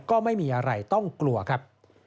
ก็ไม่มีอะไรต้องกลัวครับ